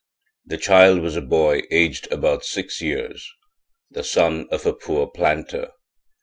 The child was a boy aged about six years, the son of a poor planter.